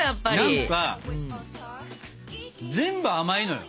何か全部甘いのよ。